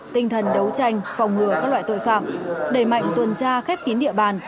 tinh thần đấu tranh phòng ngừa các loại tội phạm đẩy mạnh tuần tra khép kín địa bàn